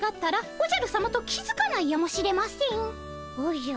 おじゃ。